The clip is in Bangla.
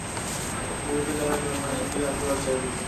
পবিত্র জলের ঝরনা দিয়ে আশীর্বাদ চাইব।